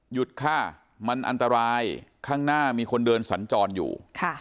หยุดค่ะมันอันตรายข้างหน้ามีคนเดินสัญจรอยู่